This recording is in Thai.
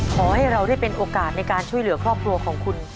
ขอให้เราได้เป็นโอกาสในการช่วยเหลือครอบครัวของคุณ